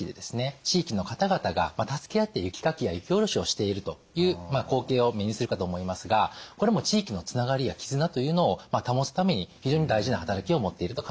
地域の方々が助け合って雪かきや雪下ろしをしているという光景を目にするかと思いますがこれも地域のつながりや絆というのを保つために非常に大事な働きを持っていると考えられます。